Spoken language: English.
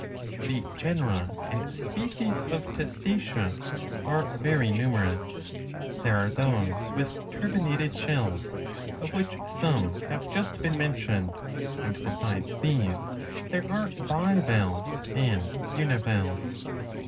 The genera and species of Testacea are very numerous. There are those with turbinated shells, of which some have just been mentioned ; and, besides these, there are bivalves and univalves.